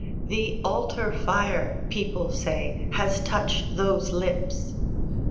"The altar fire," people say, "has touched those lips!"